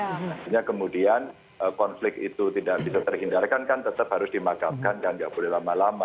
artinya kemudian konflik itu tidak bisa terhindarkan kan tetap harus dimakamkan dan tidak boleh lama lama